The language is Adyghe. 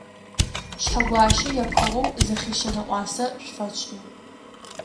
Шъхьэгуащэ епхыгъэу зы хъишъэ нэӏуасэ шъуфэтшӏын.